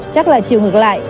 chắc là chiều ngược lại